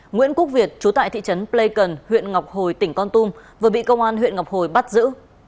nguyễn quốc việt chú tại thị trấn pleikon huyện ngọc hồi tỉnh con tum vừa bị công an huyện ngọc hồi bắt giữ